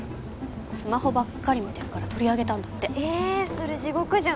スマホばっかり見てるから取り上げたんだってえそれ地獄じゃん